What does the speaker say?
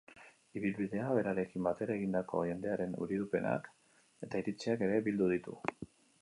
Ibilbidea berarekin batera egindako jendearen irudipenak eta iritziak ere bildu ditu.